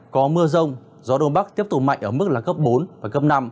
có mưa rông gió đông bắc tiếp tục mạnh ở mức là cấp bốn và cấp năm